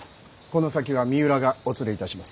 この先は三浦がお連れいたします。